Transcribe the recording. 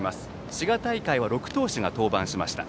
滋賀大会は６投手が登板しました。